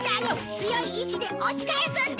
強い意志で押し返すんだ！